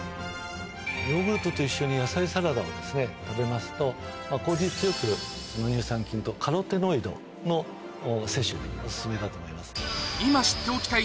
ヨーグルトと一緒に野菜サラダを食べますと効率よく乳酸菌とカロテノイドの摂取がお薦めだと思います。